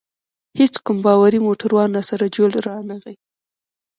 هیڅ کوم باوري موټروان راسره جوړ رانه غی.